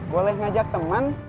boleh ngajak teman